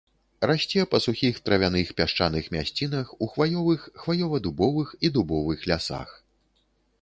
Расце па сухіх травяных пясчаных мясцінах у хваёвых, хваёва-дубовых і дубовых лясах.